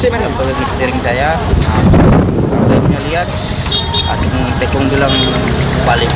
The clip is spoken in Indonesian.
kalau di setir saya saya lihat asapnya tenggelam balik